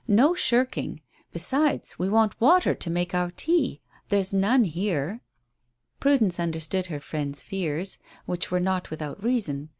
"No shirking; besides, we want water to make our tea. There's none here." Prudence understood her friend's fears, which were not without reason.